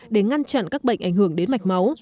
để ngăn chặn các bệnh ảnh hưởng đến mạch máu